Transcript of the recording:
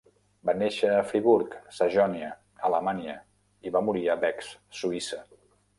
Va néixer a Friburg, Sajonia, Alemanya i va morir a Bex, Suïssa.